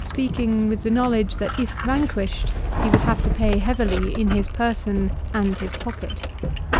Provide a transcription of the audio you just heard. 321 speaking with the knowledge that if vanquished, he would have to pay heavily in his person and his pocket.